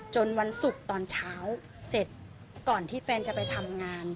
วันศุกร์ตอนเช้าเสร็จก่อนที่แฟนจะไปทำงาน